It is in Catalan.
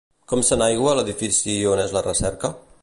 Com s'enaigua l'edifici on és la recerca?